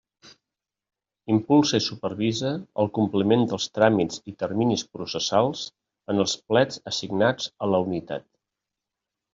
Impulsa i supervisa el compliment dels tràmits i terminis processals en els plets assignats a la unitat.